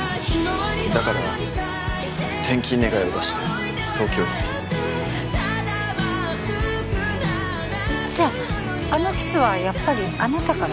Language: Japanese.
だから転勤願を出して東京にじゃああのキスはやっぱりあなたから？